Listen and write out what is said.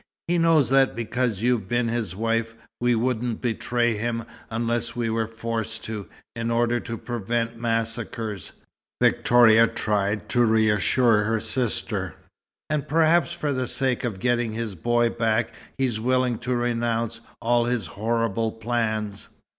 "He knows that because you've been his wife, we wouldn't betray him unless we were forced to, in order to prevent massacres," Victoria tried to reassure her sister. "And perhaps for the sake of getting his boy back, he's willing to renounce all his horrible plans."